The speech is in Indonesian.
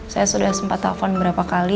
saya sudah sempat telfon beberapa kali